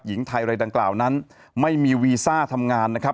หญิงไทยอะไรดังกล่าวนั้นไม่มีวีซ่าทำงานนะครับ